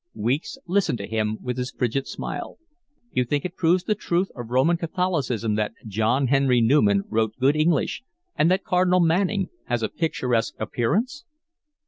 Weeks listened to him with his frigid smile. "You think it proves the truth of Roman Catholicism that John Henry Newman wrote good English and that Cardinal Manning has a picturesque appearance?"